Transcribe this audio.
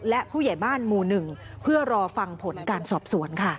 และผู้ใหญ่บ้านหมู่๑เพื่อรอฟังผลการสอบสวนค่ะ